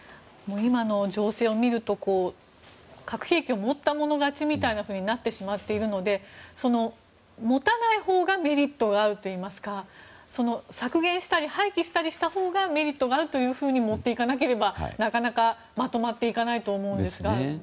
今の情勢を見ると核兵器を持った者勝ちみたいなふうになってしまっているので持たないほうがメリットがあるといいますか削減したり廃棄したりしたほうがメリットがあると持っていかなければなかなかまとまっていかないと思うんですが。